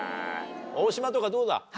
大島とかどうだ？